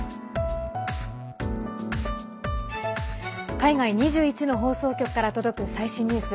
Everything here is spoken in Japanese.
海外２１の放送局から届く最新ニュース。